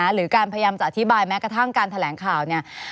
หรือการพยายามจะอธิบายแม้กระทั่งการแถลงข่าวเนี่ย